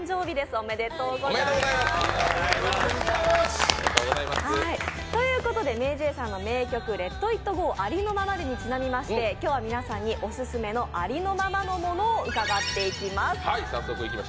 おめでとうございます。ということで、ＭａｙＪ．の名曲、「ＬｅｔＩｔＧｏありのままで」にちなみまして、今日は皆さんにオススメのありのままのものを伺っていきます。